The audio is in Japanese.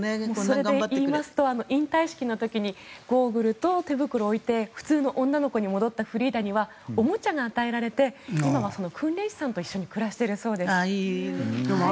それでいいますと引退式の時にゴーグルと手袋を置いて普通の女の子に戻ったフリーダにはおもちゃが与えられて今は訓練士さんと一緒にああ、いいね。